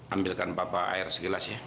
ambilkan papa air segelas ya